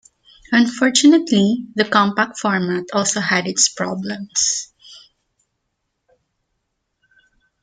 Unfortunately, the compact format also had its problems.